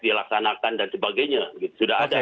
dilaksanakan dan sebagainya sudah ada